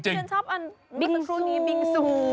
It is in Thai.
เฮียชอบอันบิงซูนี้บิงซู